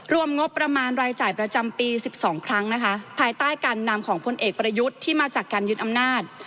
รวมงบประมาณรายจ่ายประจำปี๑๒ครั้งนะคะภายใต้การนำของพลเอกประยุทธ์ที่มาจากการยึดอำนาจ